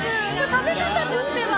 食べ方としては？